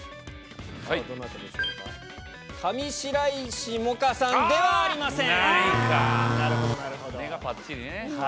上白石萌音さんでもありません。